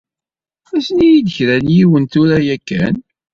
Azen-iyi-d kra n yiwen tura yakan.